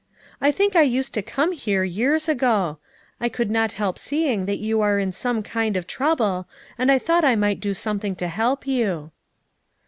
I think I used to come here years ago. I could not help seeing that you were in some kind of trouble, and I thought I might do something to help you."